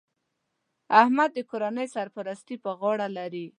احمد د کورنۍ سرپرستي په غاړه لري